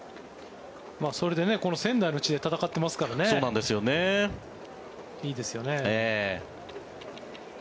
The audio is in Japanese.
それでね、この仙台の地で戦ってますからねいいですよね。